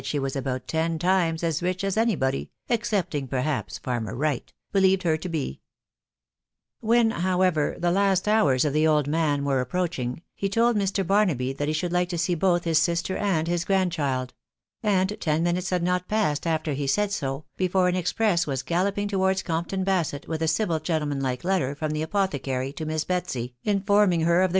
she was; about; tea times as* rich: as anybody (excepting^ perhaps, farmer Wright,) believed her to be* When, however, the last hours of the old man were ap* preaching, heboid, Mr. Barnaby that he should like to see both his sister and his grandchild; andten; minute»had not passed after he said so,, before: an express > wa* galloping* towards Compton: Basett: with a civil gentleman like letter from the apothecary, to Miss Betsy, informing her of the.